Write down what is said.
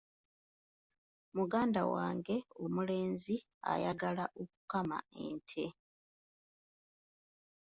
Muganda wange omulenzi ayagala okukama ente.